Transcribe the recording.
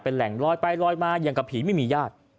แหล่งลอยไปลอยมาอย่างกับผีไม่มีญาติ